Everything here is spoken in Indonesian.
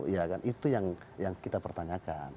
ya kan itu yang kita pertanyakan